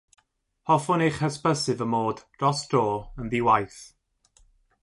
Hoffwn eich hysbysu fy mod, dros dro, yn ddi-waith.